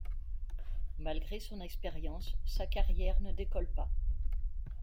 Malgré son expérience, sa carrière ne décolle pas.